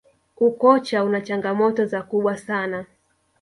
ukocha una changamoto za kubwa sana